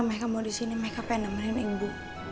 iya pak eka mau di sini eka pengen nomerin ibu